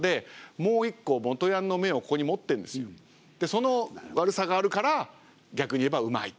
その悪さがあるから逆に言えばうまい。